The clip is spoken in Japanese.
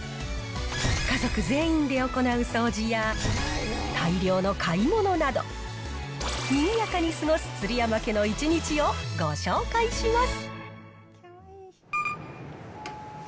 家族全員で行う掃除や、大量の買い物など、にぎやかに過ごす鶴山家の１日をご紹介します。